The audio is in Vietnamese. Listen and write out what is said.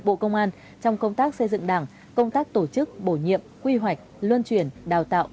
bộ công an trong công tác xây dựng đảng công tác tổ chức bổ nhiệm quy hoạch luân chuyển đào tạo